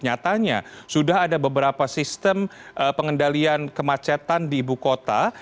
nyatanya sudah ada beberapa sistem pengendalian kemacetan di ibu kota